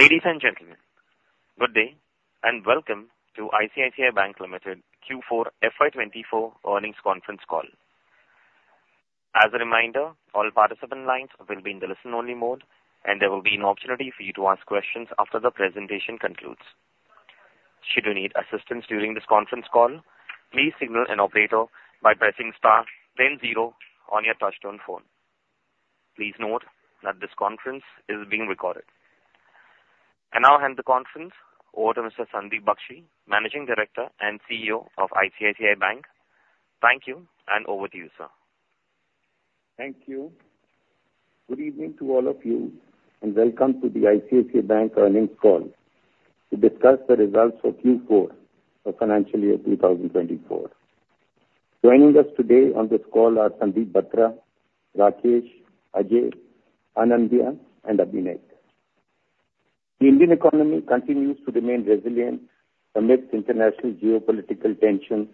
Ladies and gentlemen, good day, and welcome to ICICI Bank Limited Q4 FY24 earnings conference call. As a reminder, all participant lines will be in the listen-only mode, and there will be an opportunity for you to ask questions after the presentation concludes. Should you need assistance during this conference call, please signal an operator by pressing star, then zero on your touchtone phone. Please note that this conference is being recorded. I now hand the conference over to Mr. Sandeep Bakhshi, Managing Director and CEO of ICICI Bank. Thank you, and over to you, sir. Thank you. Good evening to all of you, and welcome to the ICICI Bank earnings call to discuss the results for Q4 of financial year 2024. Joining us today on this call are Sandeep Batra, Rakesh, Ajay, Anindya, and Abhinay. The Indian economy continues to remain resilient amidst international geopolitical tensions,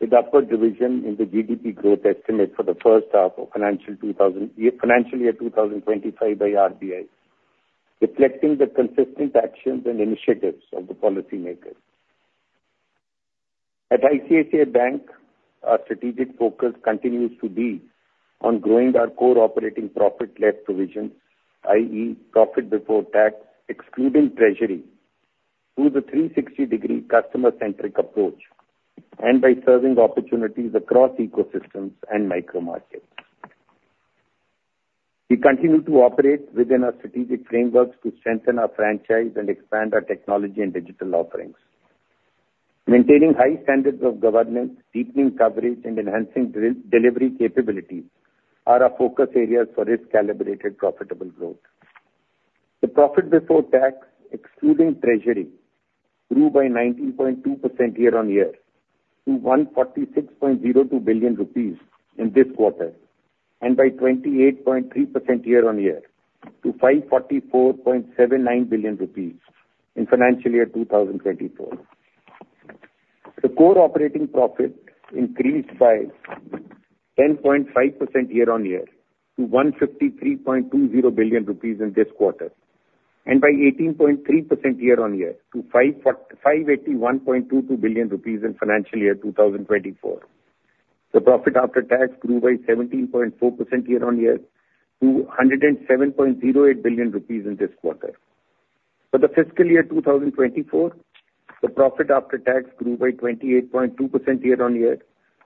with upward revision in the GDP growth estimate for the first half of financial year 2025 by RBI, reflecting the consistent actions and initiatives of the policymakers. At ICICI Bank, our strategic focus continues to be on growing our core operating profit less provisions, i.e., profit before tax, excluding treasury, through the 360-degree customer-centric approach and by serving opportunities across ecosystems and micro-markets. We continue to operate within our strategic frameworks to strengthen our franchise and expand our technology and digital offerings. Maintaining high standards of governance, deepening coverage, and enhancing drill-down delivery capabilities are our focus areas for risk-calibrated, profitable growth. The profit before tax, excluding treasury, grew by 19.2% year-on-year to 146.02 billion rupees in this quarter, and by 28.3% year-on-year to 544.79 billion rupees in financial year 2024. The core operating profit increased by 10.5% year-on-year to 153.20 billion rupees in this quarter, and by 18.3% year-on-year to 581.22 billion rupees in financial year 2024. The profit after tax grew by 17.4% year-on-year to 107.08 billion rupees in this quarter. For the fiscal year 2024, the profit after tax grew by 28.2% year-over-year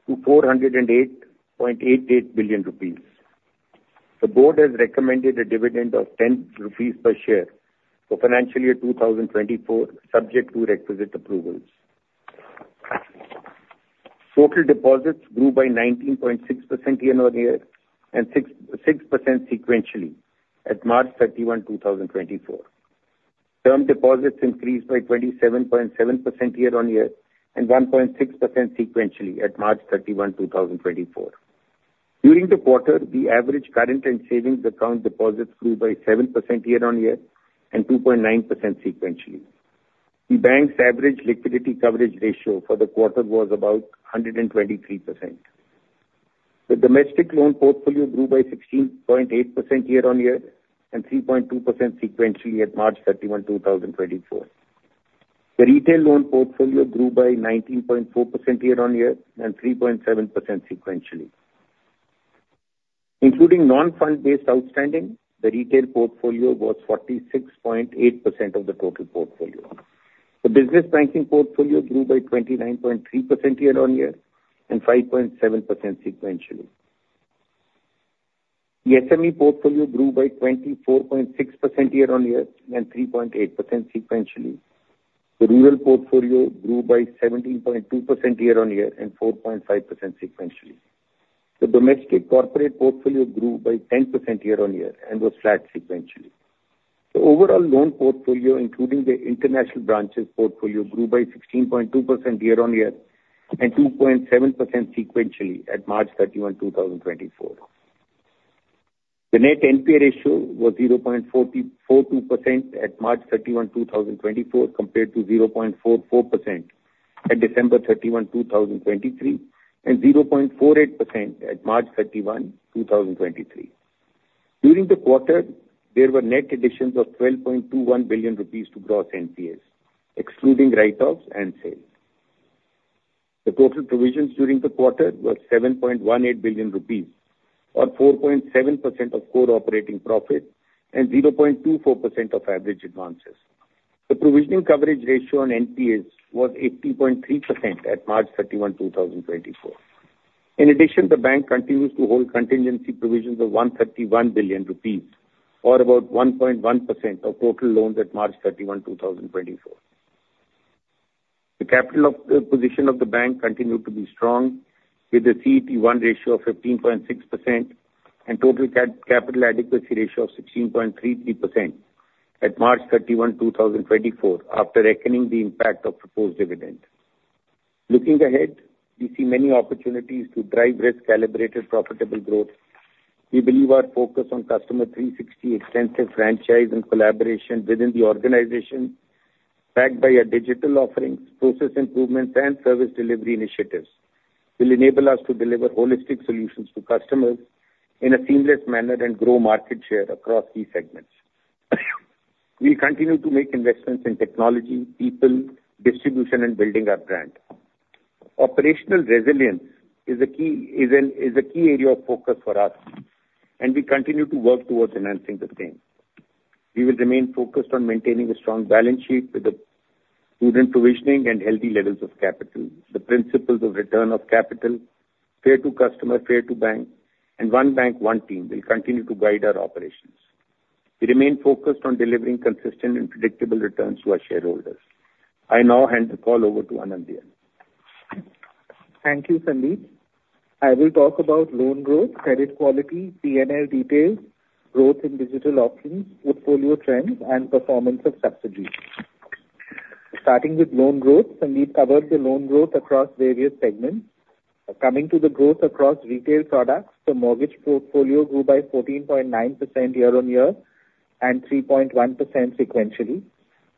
to 408.88 billion rupees. The board has recommended a dividend of 10 rupees per share for financial year 2024, subject to requisite approvals. Total deposits grew by 19.6% year-over-year and 6.6% sequentially at March 31, 2024. Term deposits increased by 27.7% year-over-year and 1.6% sequentially at March 31, 2024. During the quarter, the average current and savings account deposits grew by 7% year-over-year and 2.9% sequentially. The bank's average liquidity coverage ratio for the quarter was about 123%. The domestic loan portfolio grew by 16.8% year-over-year and 3.2% sequentially at March 31, 2024. The retail loan portfolio grew by 19.4% year-on-year and 3.7% sequentially. Including non-fund based outstanding, the retail portfolio was 46.8% of the total portfolio. The business banking portfolio grew by 29.3% year-on-year and 5.7% sequentially. The SME portfolio grew by 24.6% year-on-year and 3.8% sequentially. The rural portfolio grew by 17.2% year-on-year and 4.5% sequentially. The domestic corporate portfolio grew by 10% year-on-year and was flat sequentially. The overall loan portfolio, including the international branches portfolio, grew by 16.2% year-on-year and 2.7% sequentially at March 31, 2024. The net NPA ratio was 0.442% at March 31, 2024, compared to 0.44% at December 31, 2023, and 0.48% at March 31, 2023. During the quarter, there were net additions of 12.21 billion rupees to gross NPAs, excluding write-offs and sales. The total provisions during the quarter were 7.18 billion rupees, or 4.7% of core operating profit and 0.24% of average advances. The provisioning coverage ratio on NPAs was 80.3% at March 31, 2024. In addition, the bank continues to hold contingency provisions of 131 billion rupees, or about 1.1% of total loans at March 31, 2024. The capital position of the bank continued to be strong, with a CET-1 ratio of 15.6% and total capital adequacy ratio of 16.33% at March 31, 2024, after reckoning the impact of proposed dividend. Looking ahead, we see many opportunities to drive risk-calibrated, profitable growth. We believe our focus on customer 360 extensive franchise and collaboration within the organization, backed by a digital offering, process improvements and service delivery initiatives, will enable us to deliver holistic solutions to customers in a seamless manner and grow market share across key segments. We continue to make investments in technology, people, distribution, and building our brand. Operational resilience is a key area of focus for us, and we continue to work towards enhancing the same. We will remain focused on maintaining a strong balance sheet with the prudent provisioning and healthy levels of capital. The principles of return of capital, fair to customer, fair to bank, and one bank, one team, will continue to guide our operations. We remain focused on delivering consistent and predictable returns to our shareholders. I now hand the call over to Anindya. Thank you, Sandeep. I will talk about loan growth, credit quality, PNL details, growth in digital offerings, portfolio trends, and performance of subsidiaries. Starting with loan growth, Sandeep covered the loan growth across various segments. Coming to the growth across retail products, the mortgage portfolio grew by 14.9% year-on-year, and 3.1% sequentially.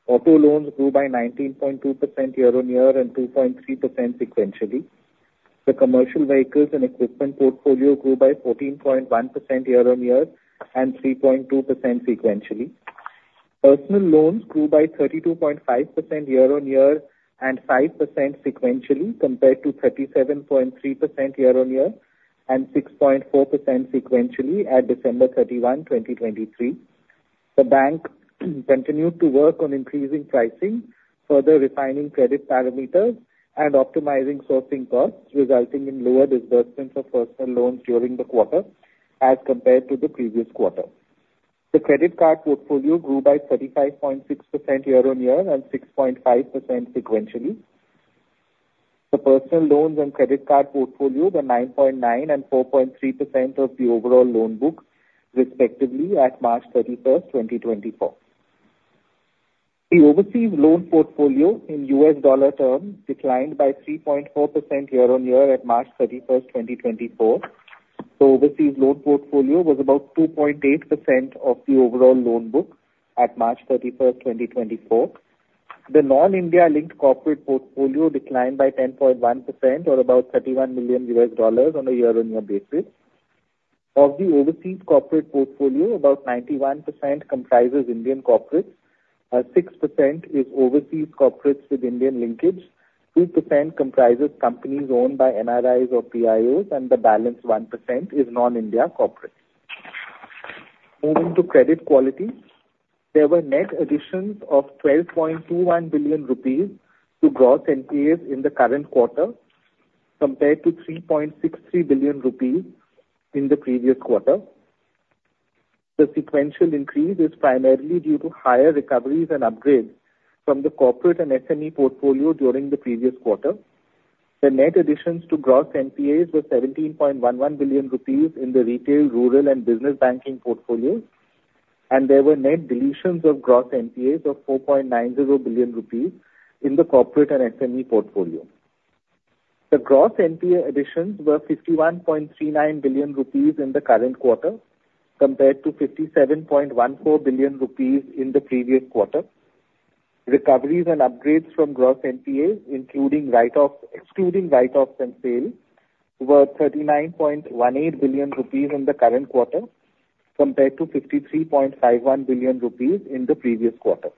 Auto loans grew by 19.2% year-on-year and 2.3% sequentially. The commercial vehicles and equipment portfolio grew by 14.1% year-on-year and 3.2% sequentially. Personal loans grew by 32.5% year-on-year and 5% sequentially, compared to 37.3% year-on-year and 6.4% sequentially at December 31, 2023. The bank continued to work on increasing pricing, further refining credit parameters, and optimizing sourcing costs, resulting in lower disbursements of personal loans during the quarter as compared to the previous quarter. The credit card portfolio grew by 35.6% year-on-year and 6.5% sequentially. The personal loans and credit card portfolio were 9.9% and 4.3% of the overall loan book, respectively, at March 31, 2024. The overseas loan portfolio in U.S. dollar terms declined by 3.4% year-on-year at March 31, 2024. The overseas loan portfolio was about 2.8% of the overall loan book at March 31, 2024. The non-India linked corporate portfolio declined by 10.1% or about $31 million on a year-on-year basis. Of the overseas corporate portfolio, about 91% comprises Indian corporates, six percent is overseas corporates with Indian linkage, 2% comprises companies owned by NRIs or PIOs, and the balance 1% is non-India corporates. Moving to credit quality, there were net additions of 12.21 billion rupees to gross NPAs in the current quarter, compared to 3.63 billion rupees in the previous quarter. The sequential increase is primarily due to higher recoveries and upgrades from the corporate and SME portfolio during the previous quarter. The net additions to gross NPAs were 17.11 billion rupees in the retail, rural, and business banking portfolio, and there were net deletions of gross NPAs of 4.90 billion rupees in the corporate and SME portfolio. The gross NPA additions were 51.39 billion rupees in the current quarter, compared to 57.14 billion rupees in the previous quarter. Recoveries and upgrades from gross NPAs, including write-offs, excluding write-offs and sales, were 39.18 billion rupees in the current quarter, compared to 53.51 billion rupees in the previous quarter.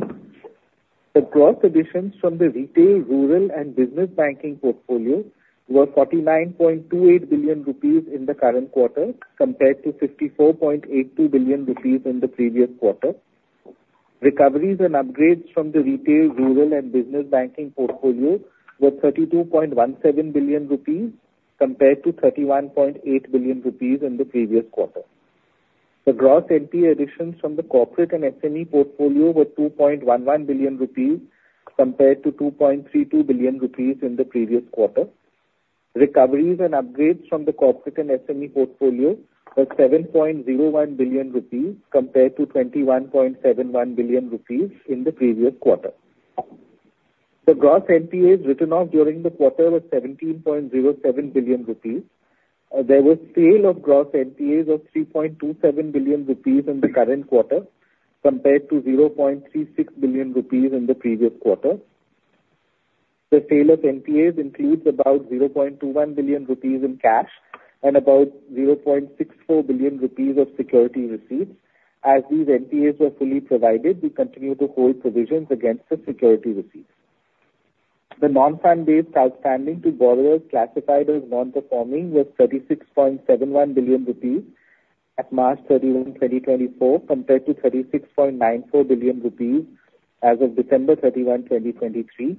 The gross additions from the retail, rural, and business banking portfolio were 49.28 billion rupees in the current quarter, compared to 54.82 billion rupees in the previous quarter. Recoveries and upgrades from the retail, rural, and business banking portfolio were 32.17 billion rupees, compared to 31.8 billion rupees in the previous quarter. The gross NPA additions from the corporate and SME portfolio were 2.11 billion rupees, compared to 2.32 billion rupees in the previous quarter. Recoveries and upgrades from the corporate and SME portfolio were 7.01 billion rupees, compared to 21.71 billion rupees in the previous quarter. The gross NPAs written off during the quarter was 17.07 billion rupees. There was sale of gross NPAs of 3.27 billion rupees in the current quarter, compared to 0.36 billion rupees in the previous quarter. The sale of NPAs includes about 0.21 billion rupees in cash and about 0.64 billion rupees of security receipts. As these NPAs were fully provided, we continue to hold provisions against the security receipts. The non-fund-based outstanding to borrowers classified as non-performing was 36.71 billion rupees at March 31, 2024, compared to 36.94 billion rupees as of December 31, 2023.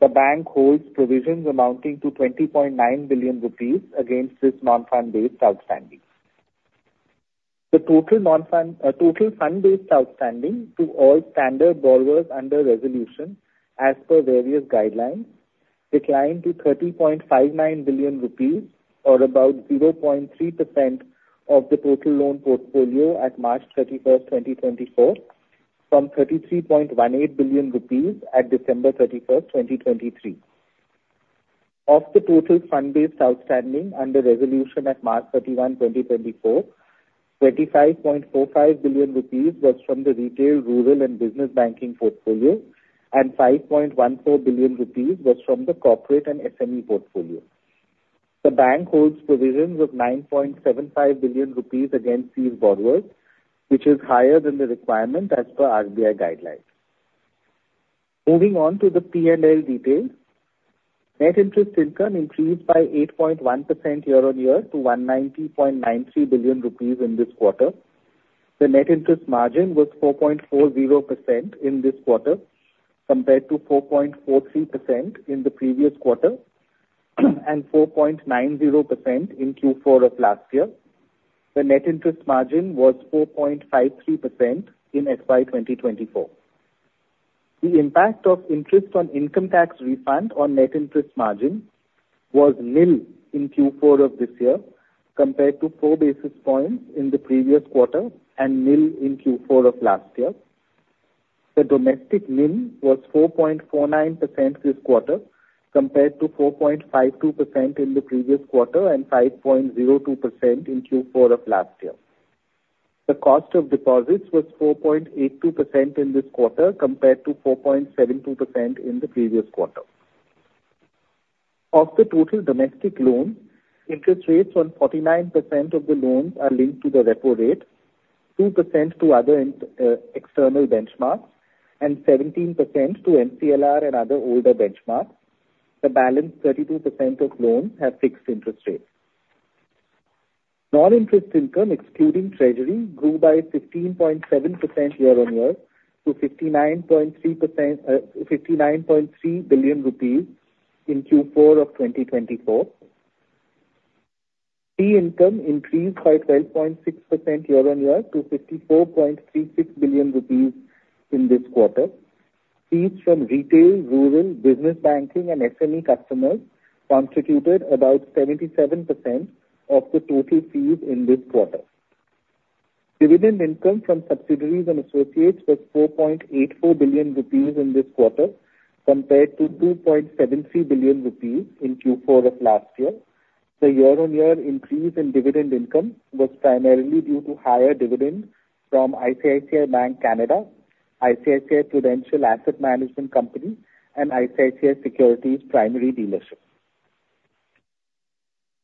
The bank holds provisions amounting to 20.9 billion rupees against this non-fund-based outstanding. The total fund-based outstanding to all standard borrowers under resolution, as per various guidelines, declined to 30.59 billion rupees, or about 0.3% of the total loan portfolio at March 31st, 2024, from 33.18 billion rupees at December 31st, 2023. Of the total fund-based outstanding under resolution at March 31, 2024, 25.45 billion rupees was from the retail, rural, and business banking portfolio, and 5.14 billion rupees was from the corporate and SME portfolio. The bank holds provisions of 9.75 billion rupees against these borrowers, which is higher than the requirement as per RBI guidelines. Moving on to the PNL details. Net interest income increased by 8.1% year-on-year to 190.93 billion rupees in this quarter. The net interest margin was 4.40% in this quarter, compared to 4.43% in the previous quarter, and 4.90% in Q4 of last year. The net interest margin was 4.53% in FY 2024. The impact of interest on income tax refund on net interest margin was nil in Q4 of this year, compared to 4 basis points in the previous quarter and nil in Q4 of last year. The domestic NIM was 4.49% this quarter, compared to 4.52% in the previous quarter and 5.02% in Q4 of last year. The cost of deposits was 4.82% in this quarter, compared to 4.72% in the previous quarter. Of the total domestic loans, interest rates on 49% of the loans are linked to the Repo Rate, 2% to other external benchmarks, and 17% to MCLR and other older benchmarks. The balance 32% of loans have fixed interest rates. Non-interest income, excluding treasury, grew by 15.7% year-over-year to 59.3 billion rupees in Q4 of 2024. Fee income increased by 12.6% year-over-year to 54.36 billion rupees in this quarter. Fees from retail, rural, business banking and SME customers constituted about 77% of the total fees in this quarter. Dividend income from subsidiaries and associates was 4.84 billion rupees in this quarter, compared to 2.73 billion rupees in Q4 of last year. The year-on-year increase in dividend income was primarily due to higher dividends from ICICI Bank Canada, ICICI Prudential Asset Management Company and ICICI Securities Primary Dealership.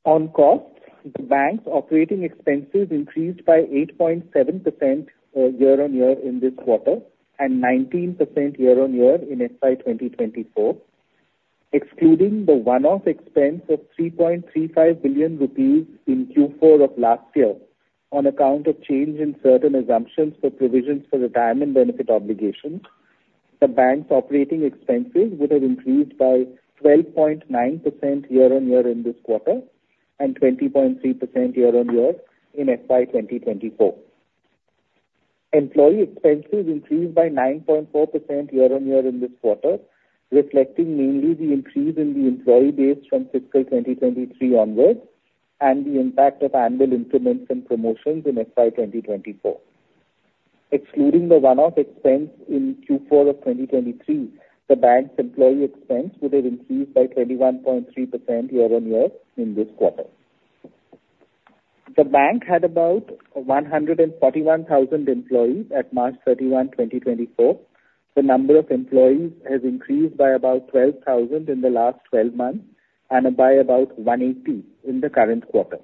On costs, the bank's operating expenses increased by 8.7%, year-on-year in this quarter and 19% year-on-year in FY 2024. Excluding the one-off expense of 3.35 billion rupees in Q4 of last year, on account of change in certain assumptions for provisions for retirement benefit obligations, the bank's operating expenses would have increased by 12.9% year-on-year in this quarter and 20.3% year-on-year in FY 2024. Employee expenses increased by 9.4% year-on-year in this quarter, reflecting mainly the increase in the employee base from fiscal 2023 onwards and the impact of annual increments and promotions in FY 2024. Excluding the one-off expense in Q4 of 2023, the bank's employee expense would have increased by 21.3% year-on-year in this quarter. The bank had about 141,000 employees at March 31, 2024. The number of employees has increased by about 12,000 in the last twelve months and by about 180 in the current quarter.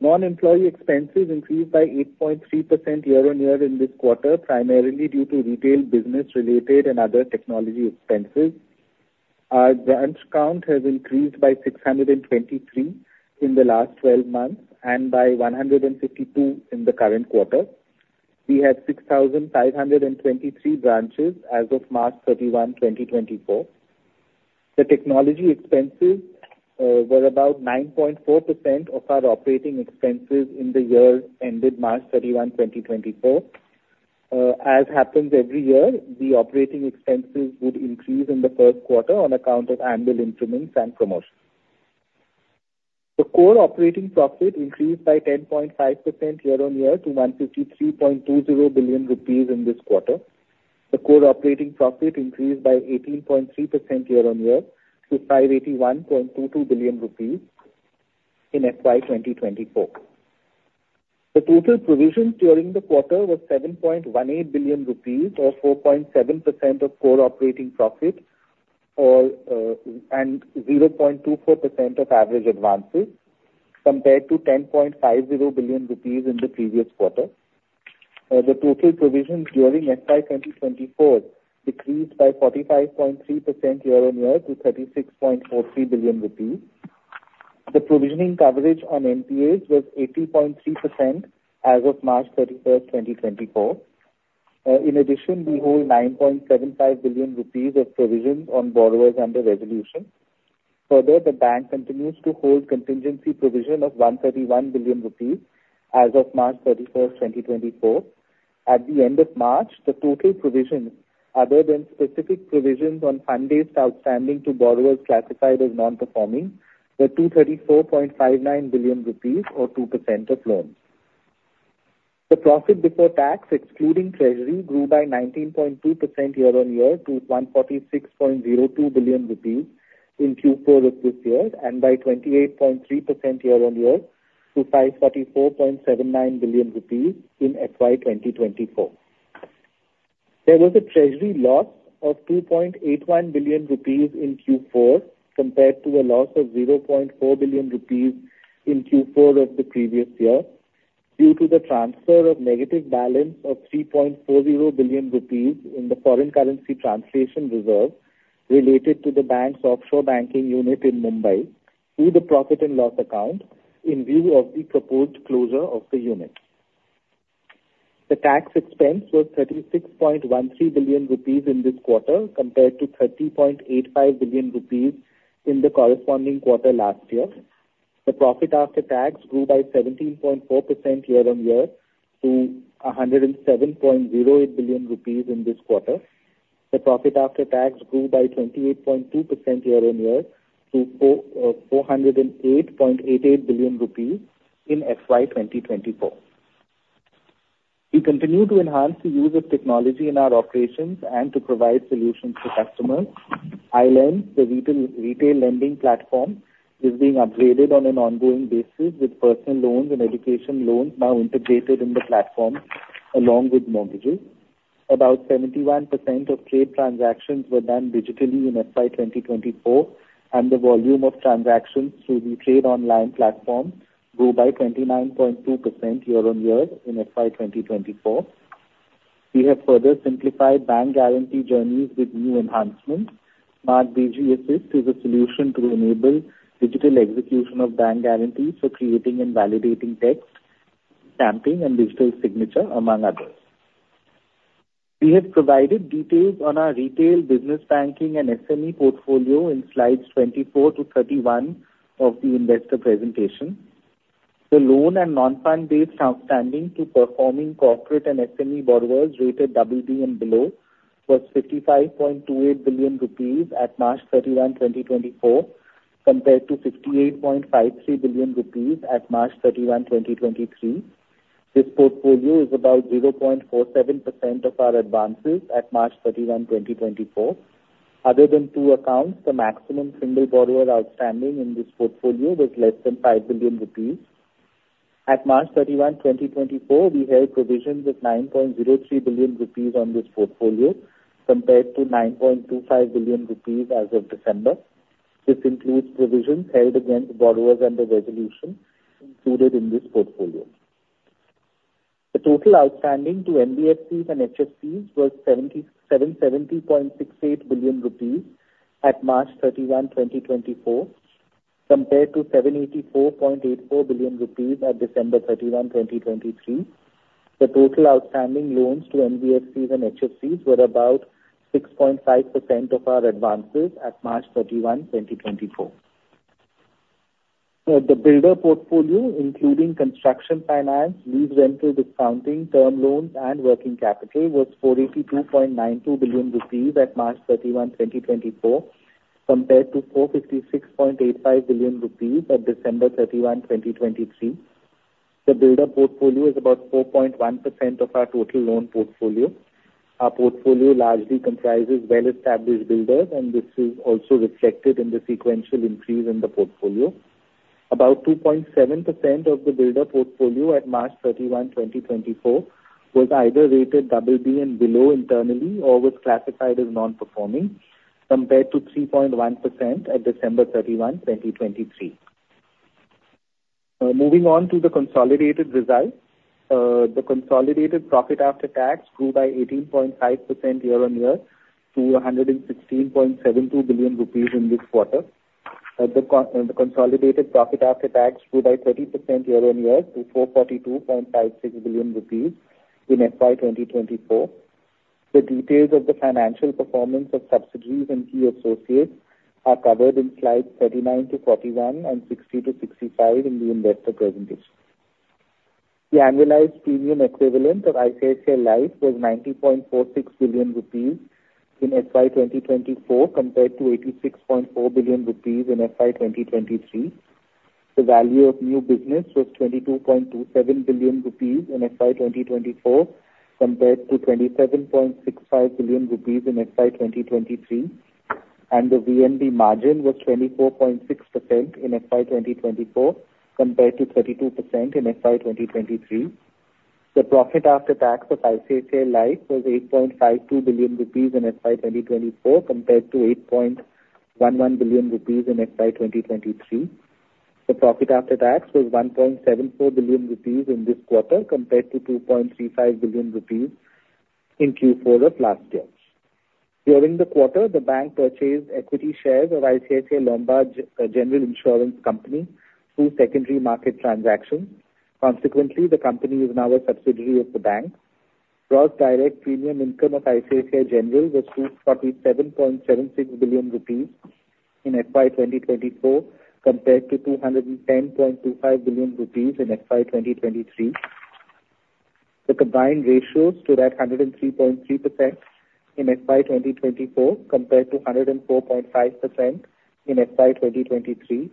Non-employee expenses increased by 8.3% year-on-year in this quarter, primarily due to retail, business related and other technology expenses. Our branch count has increased by 623 in the last twelve months and by 152 in the current quarter. We had 6,523 branches as of March 31, 2024. The technology expenses were about 9.4% of our operating expenses in the year ended March 31, 2024. As happens every year, the operating expenses would increase in the first quarter on account of annual increments and promotions. The core operating profit increased by 10.5% year-on-year to 153.20 billion rupees in this quarter. The core operating profit increased by 18.3% year-on-year to INR 581.22 billion in FY 2024. The total provisions during the quarter were 7.18 billion rupees, or 4.7% of core operating profit, or, and 0.24% of average advances, compared to 10.50 billion rupees in the previous quarter. The total provisions during FY 2024 decreased by 45.3% year-on-year to 36.43 billion rupees. The provisioning coverage on NPAs was 80.3% as of March 31, 2024. In addition, we hold 9.75 billion rupees of provisions on borrowers under resolution. Further, the bank continues to hold contingency provision of 131 billion rupees as of March 31, 2024. At the end of March, the total provisions, other than specific provisions on fund-based outstanding to borrowers classified as non-performing, were 234.59 billion rupees or 2% of loans. The profit before tax, excluding treasury, grew by 19.2% year-on-year to 146.02 billion rupees in Q4 of this year, and by 28.3% year-on-year to 544.79 billion rupees in FY 2024. There was a treasury loss of 2.81 billion rupees in Q4, compared to a loss of 0.4 billion rupees in Q4 of the previous year, due to the transfer of negative balance of 3.40 billion rupees in the foreign currency translation reserve related to the bank's offshore banking unit in Mumbai, to the profit and loss account in view of the proposed closure of the unit. The tax expense was 36.13 billion rupees in this quarter, compared to 30.85 billion rupees in the corresponding quarter last year. The profit after tax grew by 17.4% year-on-year to 107.08 billion rupees in this quarter. The profit after tax grew by 28.2% year-on-year to INR 408.88 billion in FY 2024. We continue to enhance the use of technology in our operations and to provide solutions to customers. iLens, the retail lending platform, is being upgraded on an ongoing basis, with personal loans and education loans now integrated in the platform, along with mortgages. About 71% of trade transactions were done digitally in FY 2024, and the volume of transactions through the Trade Online platform grew by 29.2% year-on-year in FY 2024. We have further simplified bank guarantee journeys with new enhancements. Smart BG Assist is a solution to enable digital execution of bank guarantees for creating and validating text, stamping, and digital signature, among others. We have provided details on our retail business banking and SME portfolio in slides 24 to 31 of the investor presentation. The loan and non-fund-based outstanding to performing corporate and SME borrowers rated BB and below was 55.28 billion rupees at March 31, 2024, compared to 58.53 billion rupees at March 31, 2023. This portfolio is about 0.47% of our advances at March 31, 2024. Other than two accounts, the maximum single borrower outstanding in this portfolio was less than 5 billion rupees. At March 31, 2024, we held provisions of 9.03 billion rupees on this portfolio, compared to 9.25 billion rupees as of December. This includes provisions held against borrowers under resolution included in this portfolio. The total outstanding to NBFCs and HFCs was 77.68 billion rupees at March 31, 2024, compared to 784.84 billion rupees at December 31, 2023. The total outstanding loans to NBFCs and HFCs were about 6.5% of our advances at March 31, 2024. The builder portfolio, including construction finance, lease rental discounting, term loans, and working capital, was 482.92 billion rupees at March 31, 2024, compared to 456.85 billion rupees at December 31, 2023. The builder portfolio is about 4.1% of our total loan portfolio. Our portfolio largely comprises well-established builders, and this is also reflected in the sequential increase in the portfolio. About 2.7% of the builder portfolio at March 31, 2024, was either rated BB and below internally or was classified as non-performing, compared to 3.1% at December 31, 2023. Moving on to the consolidated results. The consolidated profit after tax grew by 18.5% year-on-year to 116.72 billion rupees in this quarter. The consolidated profit after tax grew by 30% year-on-year to 442.56 billion rupees in FY 2024. The details of the financial performance of subsidiaries and key associates are covered in slides 39-41 and 60-65 in the investor presentation. The annualized premium equivalent of ICICI Life was 90.46 billion rupees in FY 2024, compared to 86.4 billion rupees in FY 2023. The value of new business was 22.27 billion rupees in FY 2024, compared to INR 27.65 billion in FY 2023, and the VNB margin was 24.6% in FY 2024, compared to 32% in FY 2023. The profit after tax for ICICI Life was INR 8.52 billion in FY 2024, compared to INR 8.11 billion in FY 2023. The profit after tax was 1.74 billion rupees in this quarter, compared to 2.35 billion rupees in Q4 of last year. During the quarter, the bank purchased equity shares of ICICI Lombard General Insurance Company through secondary market transactions. Consequently, the company is now a subsidiary of the bank. Gross direct premium income of ICICI General was 247.76 billion rupees in FY 2024, compared to 210.25 billion rupees in FY 2023. The combined ratios stood at 103.3% in FY 2024, compared to 104.5% in FY 2023.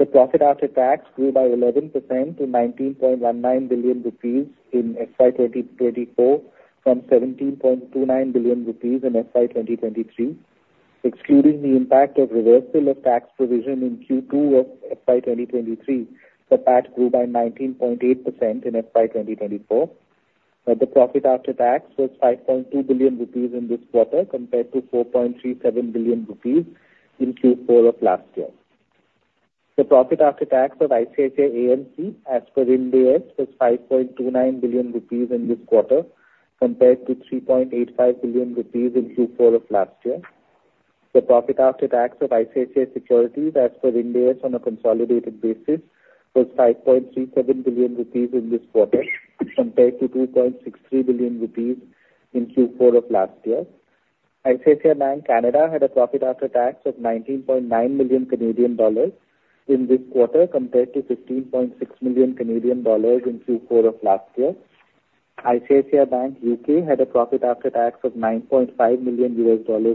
The profit after tax grew by 11% to 19.19 billion rupees in FY 2024, from 17.29 billion rupees in FY 2023. Excluding the impact of reversal of tax provision in Q2 of FY 2023, the PAT grew by 19.8% in FY 2024. The profit after tax was 5.2 billion rupees in this quarter, compared to 4.37 billion rupees in Q4 of last year. The profit after tax of ICICI AMC, as per Ind AS, was INR 5.29 billion in this quarter, compared to INR 3.85 billion in Q4 of last year. The profit after tax of ICICI Securities, as per Ind AS on a consolidated basis, was 5.37 billion rupees in this quarter, compared to 2.63 billion rupees in Q4 of last year. ICICI Bank Canada had a profit after tax of 19.9 million Canadian dollars in this quarter, compared to 15.6 million Canadian dollars in Q4 of last year. ICICI Bank UK had a profit after tax of $9.5 million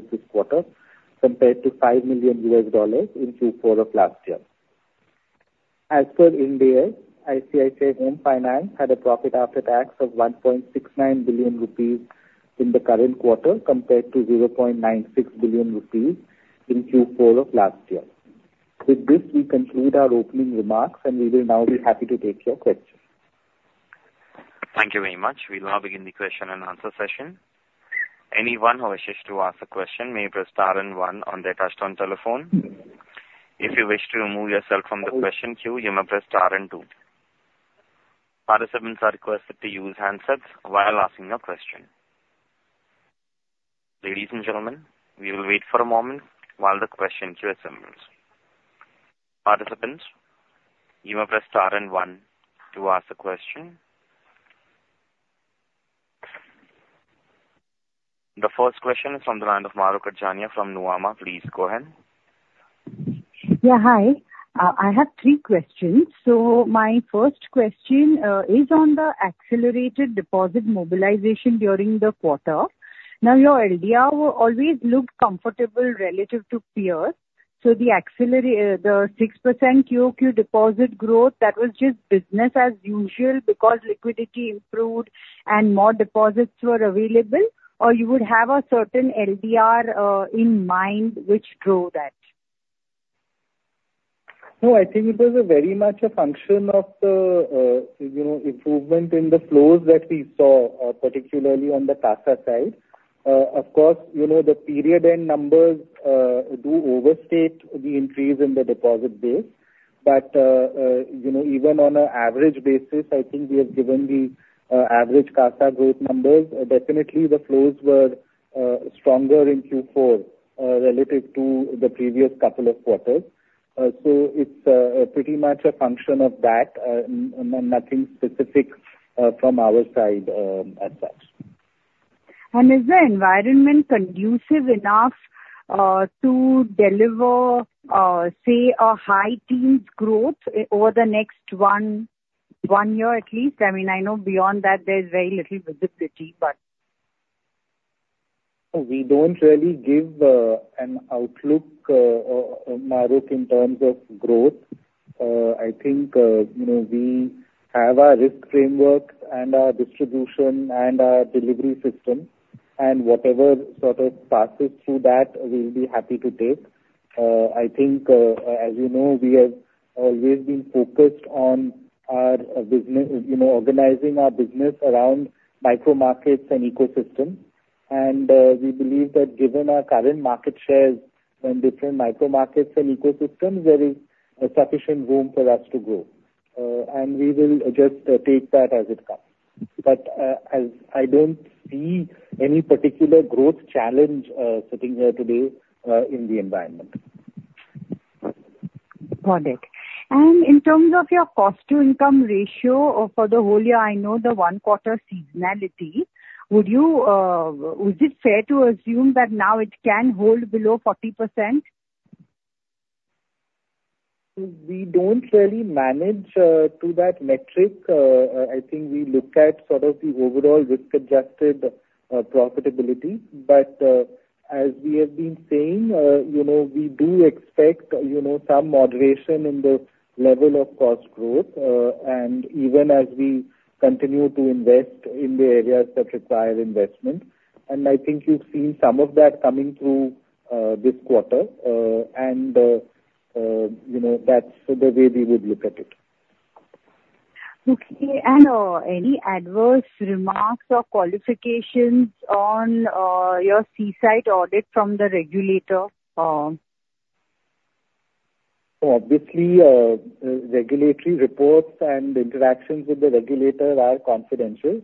this quarter, compared to $5 million in Q4 of last year. As per Ind AS, ICICI Home Finance had a profit after tax of 1.69 billion rupees in the current quarter, compared to 0.96 billion rupees in Q4 of last year. With this, we conclude our opening remarks, and we will now be happy to take your questions. Thank you very much. We'll now begin the question and answer session. Anyone who wishes to ask a question, may press star and one on their touch-tone telephone. If you wish to remove yourself from the question queue, you may press star and two. Participants are requested to use handsets while asking a question. Ladies and gentlemen, we will wait for a moment while the question queue assembles. Participants, you may press star and one to ask a question. The first question is from the line of Mahrukh Adajania from Nuvama. Please go ahead. Yeah, hi. I have three questions. So my first question is on the accelerated deposit mobilization during the quarter. Now, your LDR always looked comfortable relative to peers, so the 6% QoQ deposit growth, that was just business as usual because liquidity improved and more deposits were available? Or you would have a certain LDR in mind which drove that? No, I think it was very much a function of the, you know, improvement in the flows that we saw, particularly on the CASA side. Of course, you know, the period end numbers do overstate the increase in the deposit base, but, you know, even on an average basis, I think we have given the average CASA growth numbers. Definitely, the flows were stronger in Q4, relative to the previous couple of quarters. So it's pretty much a function of that, nothing specific from our side, as such. Is the environment conducive enough to deliver, say, a high teens growth over the next one year at least? I mean, I know beyond that there's very little visibility, but. We don't really give an outlook, Mahrukh, in terms of growth. I think, you know, we have our risk framework and our distribution and our delivery system, and whatever sort of passes through that, we'll be happy to take. I think, as you know, we have always been focused on our business, you know, organizing our business around micro markets and ecosystems. And we believe that given our current market shares in different micro markets and ecosystems, there is sufficient room for us to grow. And we will just take that as it comes. But as I don't see any particular growth challenge sitting here today in the environment. Got it. In terms of your cost to income ratio, for the whole year, I know the one quarter seasonality, would you, is it fair to assume that now it can hold below 40%? We don't really manage to that metric. I think we look at sort of the overall risk-adjusted profitability. But, as we have been saying, you know, we do expect, you know, some moderation in the level of cost growth, and even as we continue to invest in the areas that require investment. And I think you've seen some of that coming through this quarter. And, you know, that's the way we would look at it. Okay. Any adverse remarks or qualifications on your statutory audit from the regulator? Obviously, regulatory reports and interactions with the regulator are confidential.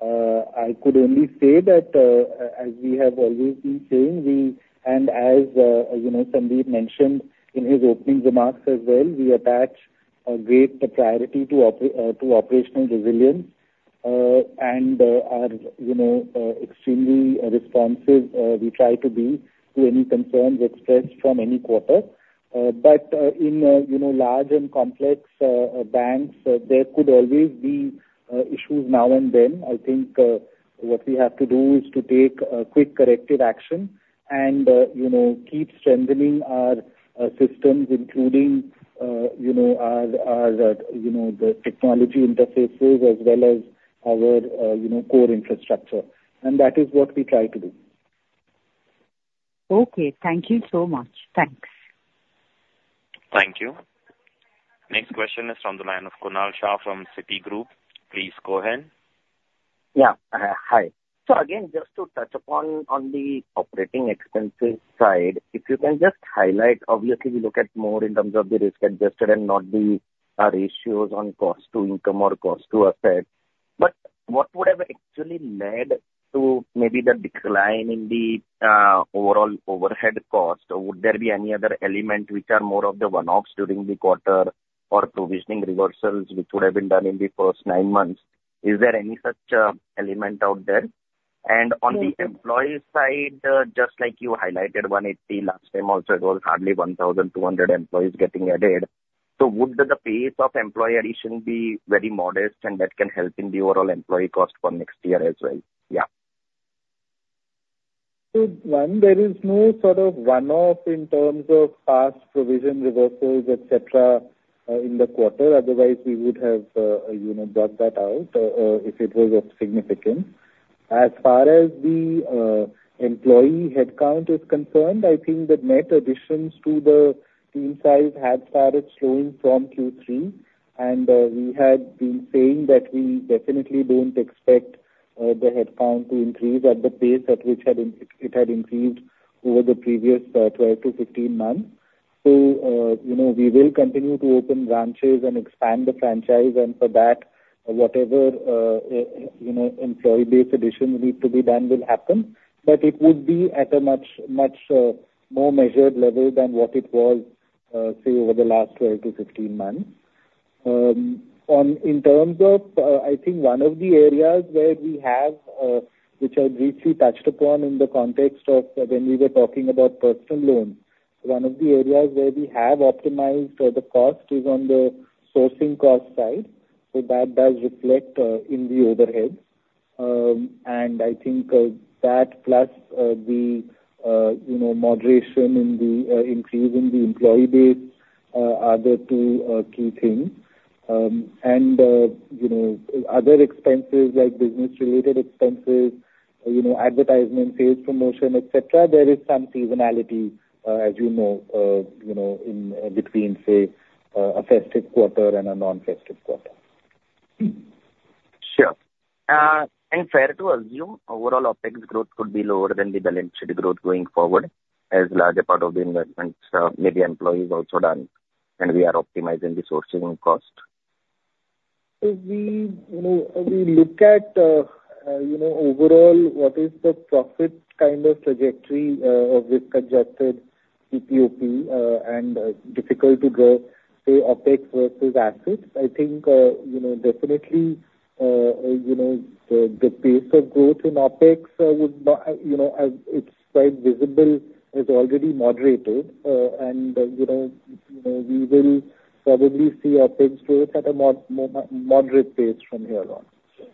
I could only say that, as we have always been saying, we and as you know Sandeep mentioned in his opening remarks as well, we attach a great priority to operational resilience, and are you know extremely responsive, we try to be to any concerns expressed from any quarter. But in you know large and complex banks, there could always be issues now and then. I think what we have to do is to take quick corrective action and you know keep strengthening our systems, including you know our the technology interfaces as well as our core infrastructure. And that is what we try to do. Okay. Thank you so much. Thanks. Thank you. Next question is from the line of Kunal Shah from Citigroup. Please go ahead. Yeah. Hi. So again, just to touch upon on the operating expenses side, if you can just highlight, obviously, we look at more in terms of the risk adjusted and not the ratios on cost to income or cost to asset. But what would have actually led to maybe the decline in the overall overhead cost? Or would there be any other element which are more of the one-offs during the quarter or provisioning reversals, which would have been done in the first nine months? Is there any such element out there? And on the employee side, just like you highlighted, 180, last time also, it was hardly 1,200 employees getting added. So would the pace of employee addition be very modest and that can help in the overall employee cost for next year as well? Yeah. So one, there is no sort of one-off in terms of past provision reversals, et cetera, in the quarter. Otherwise, we would have, you know, brought that out, if it was of significance. As far as the, employee headcount is concerned, I think the net additions to the team size had started slowing from Q3, and, we had been saying that we definitely don't expect, the headcount to increase at the pace at which it had increased over the previous, 12-15 months. So, you know, we will continue to open branches and expand the franchise, and for that, whatever, you know, employee base additions need to be done will happen, but it would be at a much, much, more measured level than what it was, say, over the last 12-15 months. On, in terms of, I think one of the areas where we have, which I briefly touched upon in the context of when we were talking about personal loans, one of the areas where we have optimized the cost is on the sourcing cost side. So that does reflect in the overhead. And I think that plus the you know moderation in the increase in the employee base are the two key things. And you know other expenses, like business-related expenses, you know, advertisement, sales, promotion, et cetera, there is some seasonality, as you know, you know, in between, say, a festive quarter and a non-festive quarter. Sure. Fair to assume overall OpEx growth could be lower than the balance sheet growth going forward, as larger part of the investments, maybe employees also done, and we are optimizing the sourcing cost? So we, you know, we look at, you know, overall, what is the profit kind of trajectory of this projected PPOP, and difficult to grow, say, OpEx versus assets. I think, you know, definitely, you know, the pace of growth in OpEx would not, you know, as it's quite visible, has already moderated. And you know, you know, we will probably see OpEx growth at a moderate pace from here on, so.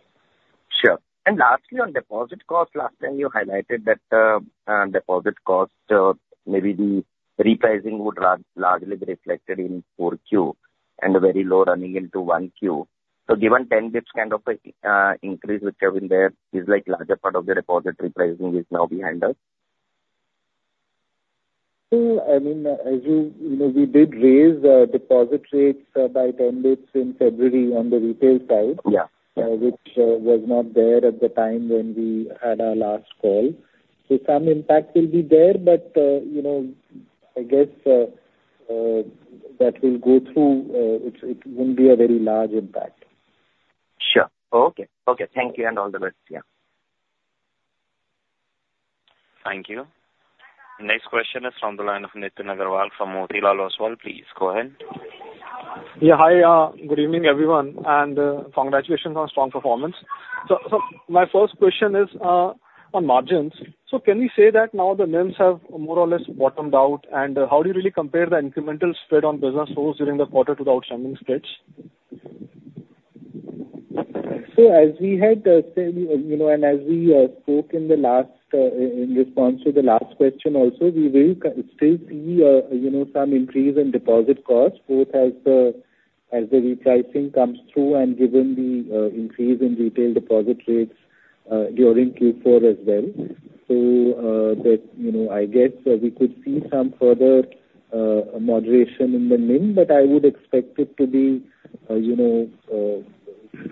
Sure. And lastly, on deposit cost, last time you highlighted that, deposit cost, maybe the repricing would largely be reflected in 4Q and very low running into 1Q. So given 10 basis points kind of increase, which have been there, it's like larger part of the deposit repricing is now behind us? So, I mean, as you know, we did raise deposit rates by 10 basis points in February on the retail side- Yeah. -which was not there at the time when we had our last call. So some impact will be there, but, you know, I guess that will go through. It wouldn't be a very large impact. Sure. Okay. Okay, thank you, and all the best. Yeah. Thank you. Next question is from the line of Nitin Aggarwal from Motilal Oswal. Please go ahead. Yeah, hi, good evening, everyone, and congratulations on strong performance. So, my first question is on margins. So can we say that now the NIMs have more or less bottomed out? And how do you really compare the incremental spread on business source during the quarter to the outstanding spreads? So as we had said, you know, and as we spoke in the last in response to the last question also, we will still see, you know, some increase in deposit costs, both as the repricing comes through and given the increase in retail deposit rates during Q4 as well. So, that, you know, I guess we could see some further moderation in the NIM, but I would expect it to be, you know,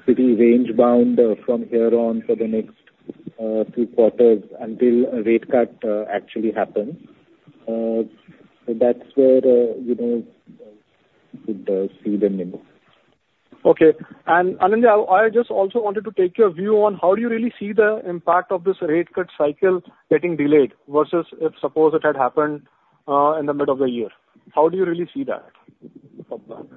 pretty range-bound from here on for the next few quarters until a rate cut actually happens. So that's where, you know, could see the NIM. Okay. Anindya, I, I just also wanted to take your view on how do you really see the impact of this rate cut cycle getting delayed versus if suppose it had happened in the middle of the year? How do you really see that from that?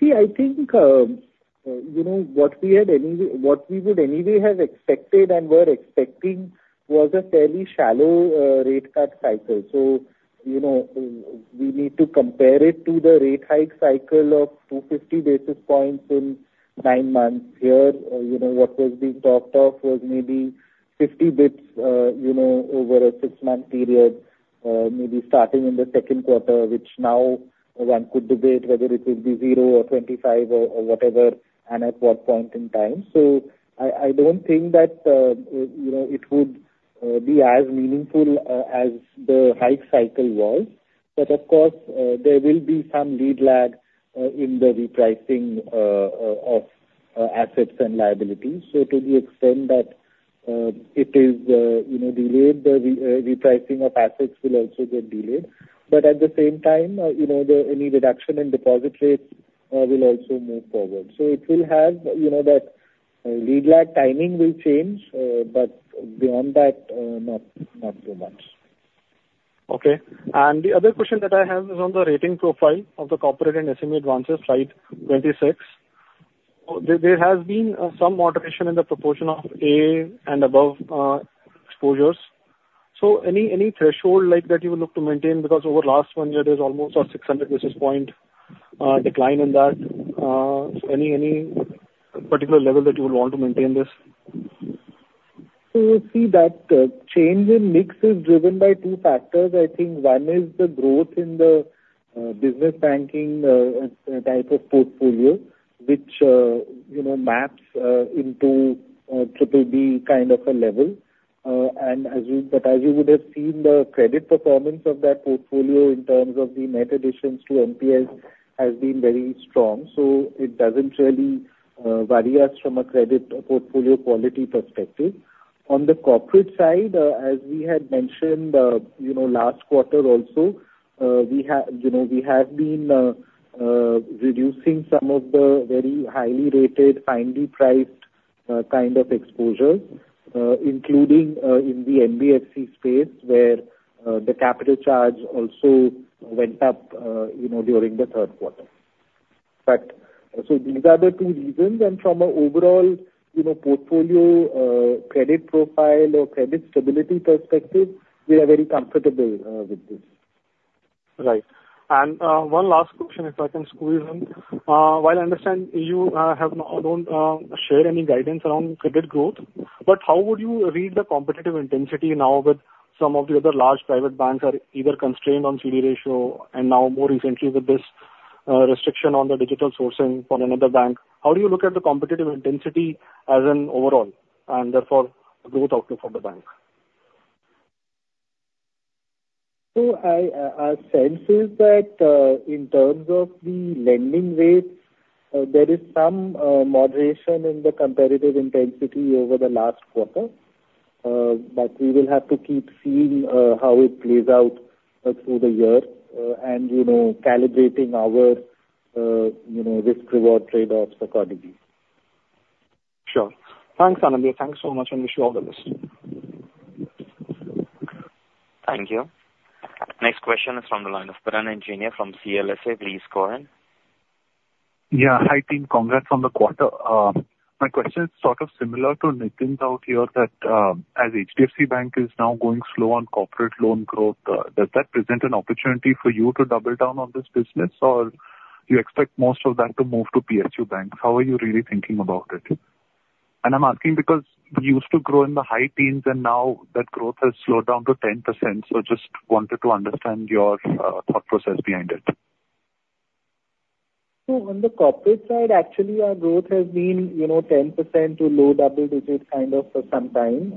See, I think, you know, what we would anyway have expected and were expecting was a fairly shallow rate cut cycle. So, you know, we need to compare it to the rate hike cycle of 250 basis points in nine months. Here, you know, what was being talked of was maybe 50 basis points, you know, over a six-month period, maybe starting in the second quarter, which now one could debate whether it would be zero or 25 or whatever, and at what point in time. So I don't think that, you know, it would be as meaningful as the hike cycle was. But of course, there will be some lead lag in the repricing of assets and liabilities. So to the extent that it is, you know, delayed, the repricing of assets will also get delayed. But at the same time, you know, the any reduction in deposit rates will also move forward. So it will have, you know, that lead lag timing will change, but beyond that, not too much. Okay. And the other question that I have is on the rating profile of the corporate and SME advances, slide 26. There has been some moderation in the proportion of A and above exposures. So any threshold like that you would look to maintain? Because over last one year, there's almost a 600 basis point decline in that. So any particular level that you would want to maintain this? So you'll see that, change in mix is driven by two factors. I think one is the growth in the, business banking, type of portfolio, which, you know, maps, into, triple B kind of a level. But as you would have seen, the credit performance of that portfolio in terms of the net additions to NPAs has been very strong, so it doesn't really, vary us from a credit portfolio quality perspective. On the corporate side, as we had mentioned, you know, last quarter also, we have, you know, we have been, reducing some of the very highly rated, finely priced, kind of exposures, including, in the NBFC space, where, the capital charge also went up, you know, during the third quarter. These are the two reasons, and from an overall, you know, portfolio, credit profile or credit stability perspective, we are very comfortable with this. Right. And, one last question, if I can squeeze in. While I understand you have not, don't share any guidance around credit growth, but how would you read the competitive intensity now that some of the other large private banks are either constrained on CD ratio, and now more recently with this restriction on the digital sourcing from another bank? How do you look at the competitive intensity as in overall, and therefore, the growth outlook for the bank? So, our sense is that in terms of the lending rates, there is some moderation in the competitive intensity over the last quarter. But we will have to keep seeing how it plays out through the year, and you know, calibrating our you know, risk reward trade-offs accordingly. Sure. Thanks, Anindya. Thanks so much, and wish you all the best. Thank you. Next question is from the line of Piran Engineer from CLSA. Please go ahead. Yeah, hi, team. Congrats on the quarter. My question is sort of similar to Nitin's out here, that, as HDFC Bank is now going slow on corporate loan growth, does that present an opportunity for you to double down on this business? Or you expect most of that to move to PSU banks? How are you really thinking about it? And I'm asking because you used to grow in the high teens, and now that growth has slowed down to 10%, so just wanted to understand your thought process behind it. So on the corporate side, actually, our growth has been, you know, 10% to low double digits kind of for some time.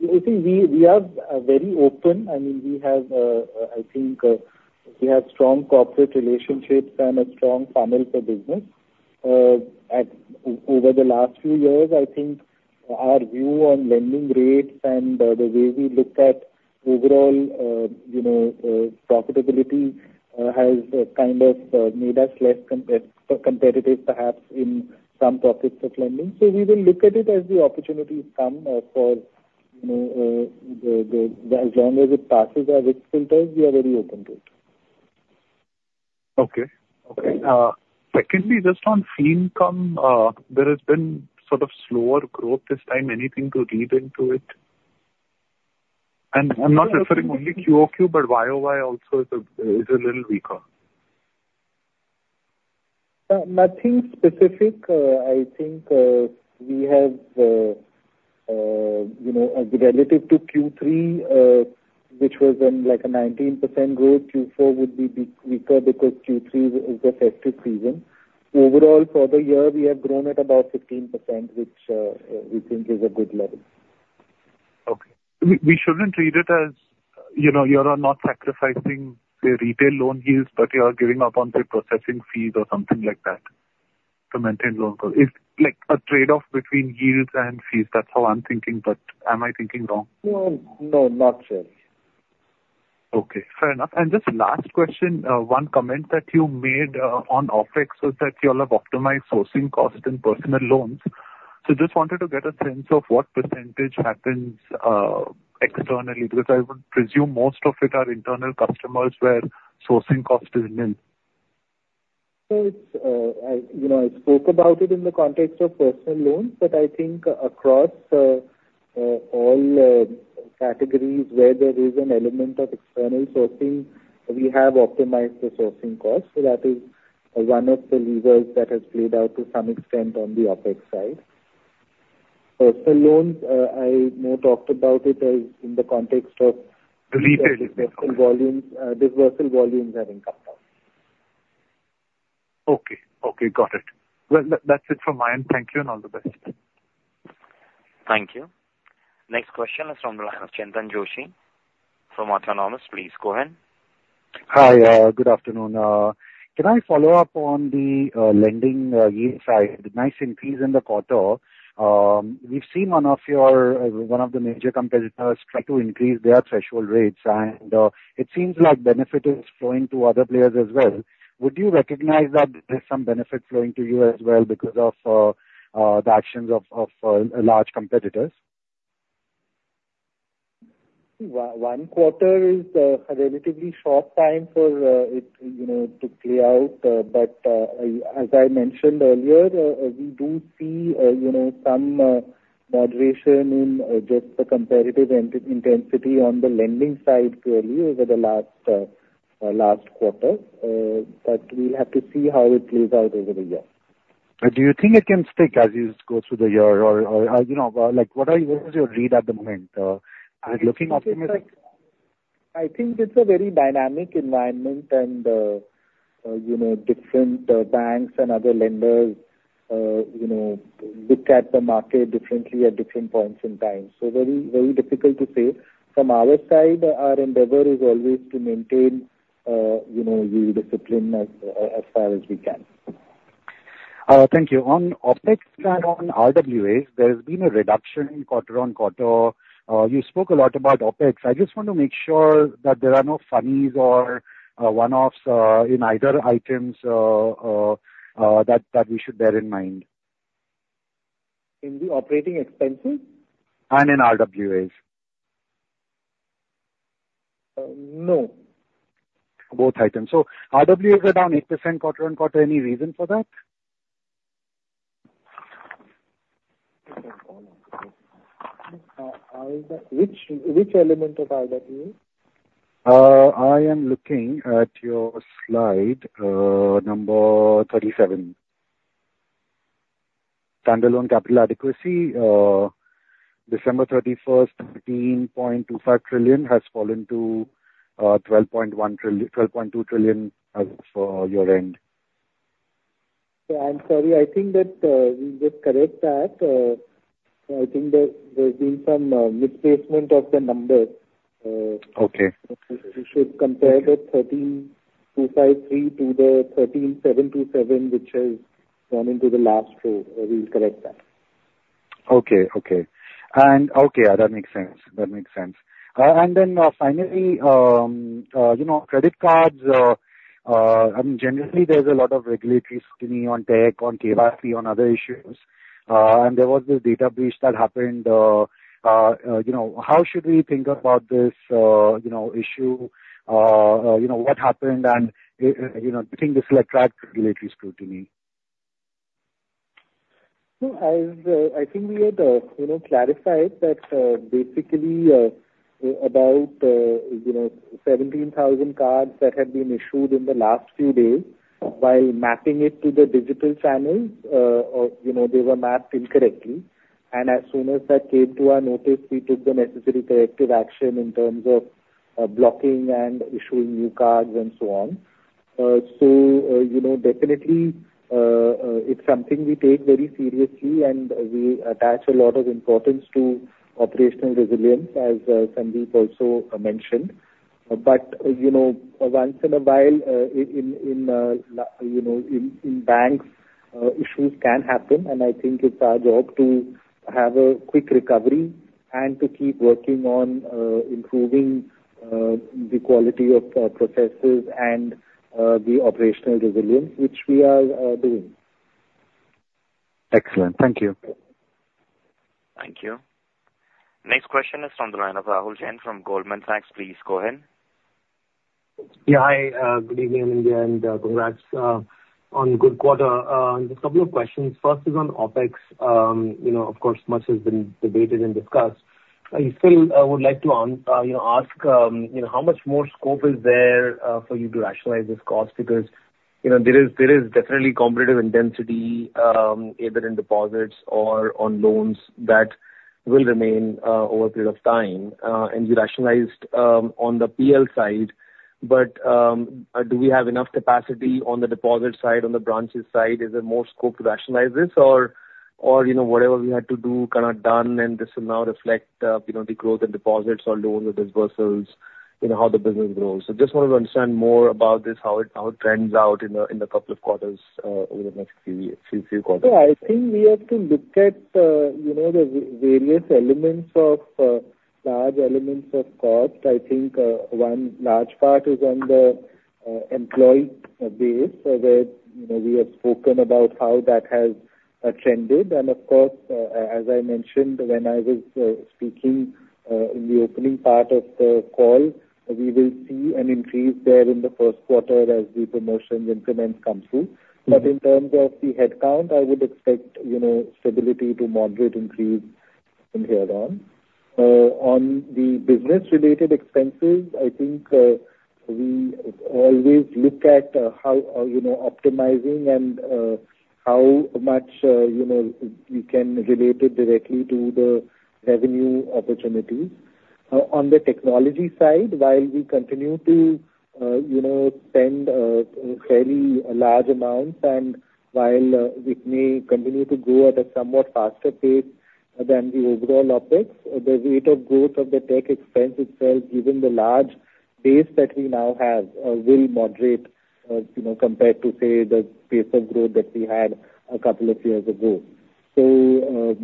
You see, we are very open. I mean, we have, I think, we have strong corporate relationships and a strong franchise for business. Over the last few years, I think our view on lending rates and the way we look at overall, you know, profitability has kind of made us less competitive, perhaps, in some pockets of lending. So we will look at it as the opportunity come for, you know, the, the, as long as it passes our risk filters, we are very open to it. Okay. Okay, secondly, just on fee income, there has been sort of slower growth this time. Anything to read into it? And I'm not referring only QoQ, but YoY also is a little weaker. Nothing specific. I think, we have, you know, relative to Q3, which was in like a 19% growth, Q4 would be weaker because Q3 is the festive season. Overall, for the year, we have grown at about 15%, which, we think is a good level. Okay. We shouldn't read it as, you know, you are not sacrificing the retail loan yields, but you are giving up on the processing fees or something like that to maintain loan growth. It's like a trade-off between yields and fees. That's how I'm thinking, but am I thinking wrong? No, no, not really. Okay, fair enough. And just last question, one comment that you made, on OpEx is that you all have optimized sourcing costs in personal loans. So just wanted to get a sense of what percentage happens, externally, because I would presume most of it are internal customers where sourcing cost is nil. So it's, you know, I spoke about it in the context of personal loans, but I think across all categories where there is an element of external sourcing, we have optimized the sourcing cost. So that is one of the levers that has played out to some extent on the OpEx side. Personal loans, I, you know, talked about it as in the context of- Deleted. -volumes, dispersal volumes have increased. Okay, okay, got it. Well, that, that's it from my end. Thank you, and all the best. Thank you. Next question is from the line of Chintan Joshi from Autonomous. Please go ahead. Hi, good afternoon. Can I follow up on the lending yield side? Nice increase in the quarter. We've seen one of the major competitors try to increase their threshold rates, and it seems like benefit is flowing to other players as well. Would you recognize that there's some benefit flowing to you as well because of the actions of large competitors? One quarter is a relatively short time for it, you know, to play out. But as I mentioned earlier, we do see, you know, some moderation in just the competitive intensity on the lending side, clearly, over the last quarter, but we'll have to see how it plays out over the year. Do you think it can stick as you go through the year, or, you know, like, what are you—what is your read at the moment? Are you looking optimistic? I think it's a very dynamic environment and, you know, different banks and other lenders, you know, look at the market differently at different points in time, so very, very difficult to say. From our side, our endeavor is always to maintain, you know, the discipline as far as we can. Thank you. On OpEx and on RWAs, there's been a reduction quarter-on-quarter. You spoke a lot about OpEx. I just want to make sure that there are no funnies or one-offs that we should bear in mind. In the operating expenses? And in RWAs. Uh, no. Both items. So RWAs are down 8% quarter-on-quarter. Any reason for that? Which element of RWA? I am looking at your slide, number 37. Standalone capital adequacy, December 31, 13.25 trillion, has fallen to 12.1 trillion-12.2 trillion as of year-end. So I'm sorry. I think that we will correct that. I think that there's been some misplacement of the numbers. Okay. We should compare the 13,253 to the 13,727, which has gone into the last row. We'll correct that. Okay, okay. And okay, yeah, that makes sense. That makes sense. And then, finally, you know, credit cards, I mean, generally, there's a lot of regulatory scrutiny on tech, on KYC, on other issues, and there was this data breach that happened, you know. How should we think about this, you know, issue? You know, what happened, and, you know, do you think this will attract regulatory scrutiny? No, as I think we had, you know, clarified that, basically, about, you know, 17,000 cards that had been issued in the last few days, while mapping it to the digital channels, you know, they were mapped incorrectly. And as soon as that came to our notice, we took the necessary corrective action in terms of blocking and issuing new cards and so on. So, you know, definitely, it's something we take very seriously, and we attach a lot of importance to operational resilience, as Sandeep also mentioned. But, you know, once in a while, you know, in banks, issues can happen, and I think it's our job to have a quick recovery and to keep working on improving the quality of our processes and the operational resilience, which we are doing. Excellent. Thank you. Thank you. Next question is from the line of Rahul Jain from Goldman Sachs. Please go ahead. Yeah, hi, good evening, India, and, congrats on good quarter. Just a couple of questions. First is on OpEx. You know, of course, much has been debated and discussed. I still would like to, you know, ask, you know, how much more scope is there for you to rationalize this cost? Because, you know, there is, there is definitely competitive intensity, either in deposits or on loans that will remain over a period of time. And you rationalized on the PL side, but, do we have enough capacity on the deposit side, on the branches side? Is there more scope to rationalize this or, or, you know, whatever we had to do, kind of done, and this will now reflect, you know, the growth in deposits or loans or dispersals, you know, how the business grows? So just wanted to understand more about this, how it, how it trends out in a, in a couple of quarters, over the next few years, few, few quarters. So I think we have to look at, you know, the various elements of large elements of cost. I think one large part is on the employee base, where, you know, we have spoken about how that has trended. And of course, as I mentioned when I was speaking in the opening part of the call, we will see an increase there in the first quarter as the promotion increments come through. But in terms of the headcount, I would expect, you know, stability to moderate increase from here on. On the business-related expenses, I think we always look at how you know optimizing and how much you know we can relate it directly to the revenue opportunities. On the technology side, while we continue to, you know, spend fairly large amounts, and while we may continue to grow at a somewhat faster pace than the overall OpEx, the rate of growth of the tech expense itself, given the large base that we now have, will moderate, you know, compared to, say, the pace of growth that we had a couple of years ago. So,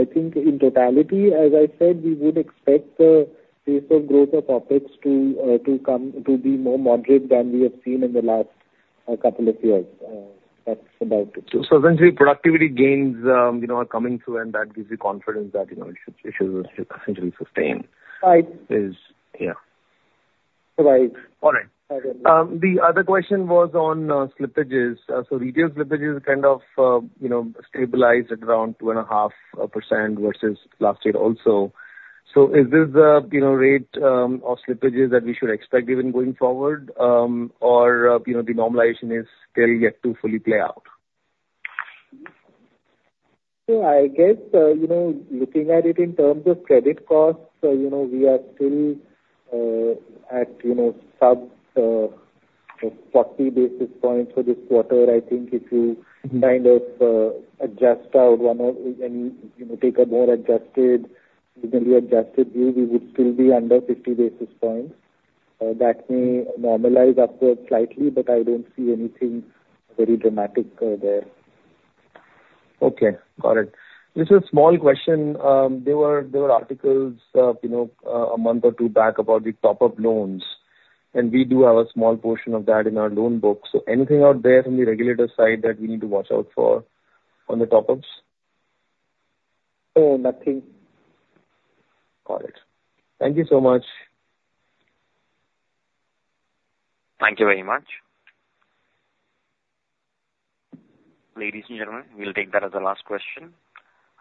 I think in totality, as I said, we would expect the pace of growth of OpEx to come to be more moderate than we have seen in the last couple of years. That's about it. So essentially, productivity gains, you know, are coming through, and that gives you confidence that, you know, it should, it should essentially sustain? Right. Is- yeah. Right. All right. Okay. The other question was on slippages. So retail slippages kind of, you know, stabilized at around 2.5% versus last year also. So is this the, you know, rate of slippages that we should expect even going forward, or, you know, the normalization is still yet to fully play out? So I guess, you know, looking at it in terms of credit costs, you know, we are still at, you know, sub 40 basis points for this quarter. I think if you- Mm-hmm. Kind of adjust out one or any, you know, take a more adjusted, seasonally adjusted view, we would still be under 50 basis points. That may normalize upward slightly, but I don't see anything very dramatic there. Okay, got it. Just a small question. There were articles, you know, a month or two back about the top-up loans, and we do have a small portion of that in our loan book. So anything out there from the regulator side that we need to watch out for on the top-ups? Uh, nothing. Got it. Thank you so much. Thank you very much. Ladies and gentlemen, we'll take that as the last question.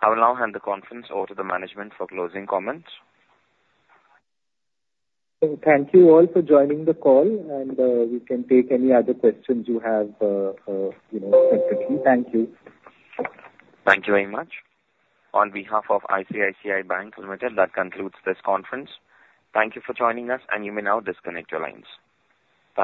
I will now hand the conference over to the management for closing comments. Thank you all for joining the call, and we can take any other questions you have, you know, separately. Thank you. Thank you very much. On behalf of ICICI Bank Limited, that concludes this conference. Thank you for joining us, and you may now disconnect your lines.